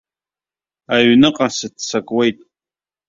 Аҩныҟа сыццакуеит.